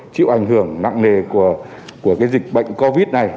chịu ảnh hưởng nặng nề của dịch bệnh covid này